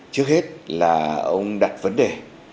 trước hết là ông đặt vấn đề